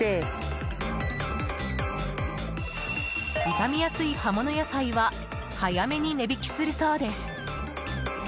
傷みやすい葉物野菜は早めに値引きするそうです。